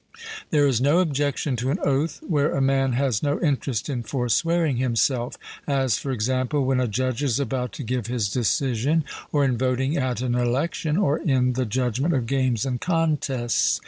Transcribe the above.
There is no objection to an oath, where a man has no interest in forswearing himself; as, for example, when a judge is about to give his decision, or in voting at an election, or in the judgment of games and contests.